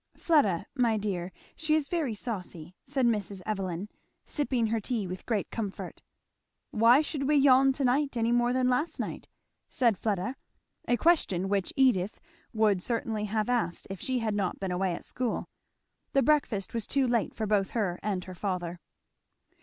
"Fleda, my dear, she is very saucy," said Mrs. Evelyn, sipping her tea with great comfort. "Why should we yawn to night any more than last night?" said Fleda; a question which Edith would certainly have asked if she had not been away at school. The breakfast was too late for both her and her father.